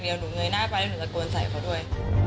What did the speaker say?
เดี๋ยวหนูเงยหน้าไปแล้วหนูตะโกนใส่เขาด้วย